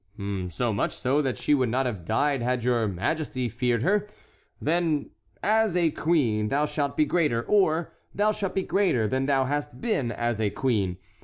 "So much so that she would not have died had not your majesty feared her. Then—As a queen thou shalt be greater; or, Thou shalt be greater than thou hast been as a queen.